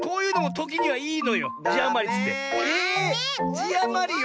じあまりよ！